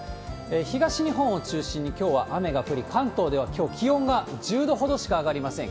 東日本を中心に、きょうは雨が降り、関東ではきょう、気温が１０度ほどしか上がりません。